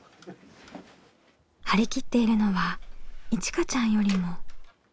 張り切っているのはいちかちゃんよりも。